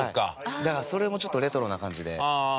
だからそれもちょっとレトロな感じで。